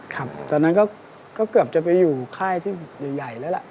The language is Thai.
ครับตอนนั้นก็เกือบจะไปอยู่ค่ายที่ใหญ่แล้วล่ะ